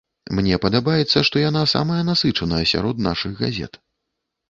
Мне падабаецца, што яна самая насычаная сярод нашых газет.